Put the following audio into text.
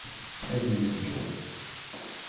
Ad neddu.